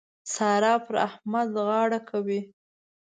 سارا پر احمد غاړه کوي.